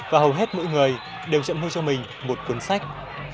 và hầu hết mỗi người đều sẽ mua cho mình một cuốn sách